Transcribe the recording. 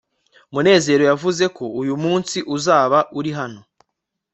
munezero yavuze ko uyu munsi uzaba uri hano